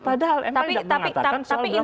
padahal ma tidak mengatakan soal berlaku surut